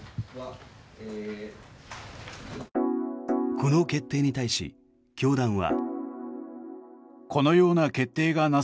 この決定に対し、教団は。